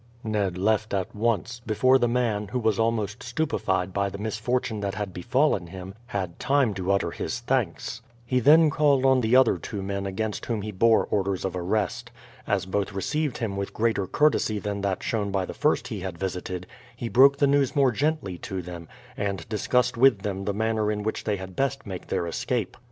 Ned left at once, before the man, who was almost stupefied by the misfortune that had befallen him, had time to utter his thanks. He then called on the other two men against whom he bore orders of arrest. As both received him with greater courtesy than that shown by the first he had visited, he broke the news more gently to them, and discussed with them the manner in which they had best make their escape.